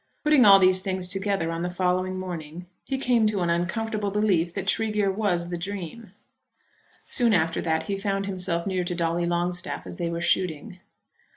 Putting all these things together on the following morning he came to an uncomfortable belief that Tregear was the dream. Soon after that he found himself near to Dolly Longstaff as they were shooting.